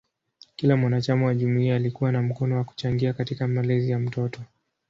Kila mwanachama wa jumuiya alikuwa na mkono kwa kuchangia katika malezi ya mtoto.